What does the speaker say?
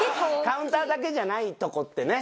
カウンターだけじゃないとこってね。